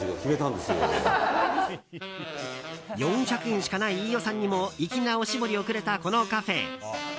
４００円しかない飯尾さんにも粋なおしぼりをくれたこのカフェ。